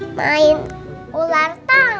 main ular tangga